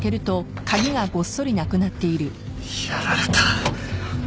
やられた。